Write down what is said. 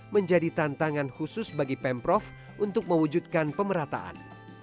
menjadi tantangan khusus bagi pemprov untuk mewujudkan pemerataan